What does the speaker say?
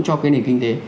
cho cái nền kinh tế